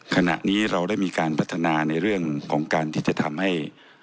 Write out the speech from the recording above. ขณะนี้เราได้มีการพัฒนาในเรื่องของการที่จะทำให้